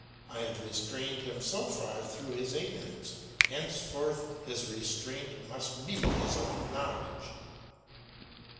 I have restrained him so far through his ignorance; henceforward his restraint must be his own knowledge.